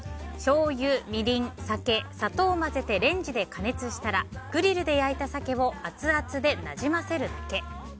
しょうゆ、みりん、酒砂糖を混ぜてレンジで加熱したらグリルで焼いた鮭をアツアツでなじませるだけ。